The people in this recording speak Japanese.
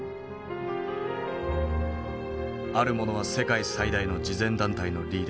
ある者は世界最大の慈善団体のリーダーに。